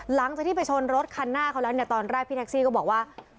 หลังจากที่ไปชนรถคันหน้าเขาแล้วเนี่ยตอนแรกพี่แท็กซี่ก็บอกว่า